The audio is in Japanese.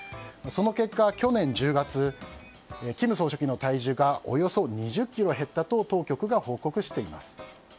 その結果、去年１０月金総書記の体重がおよそ２０ｋｇ減ったと当局が報告しています。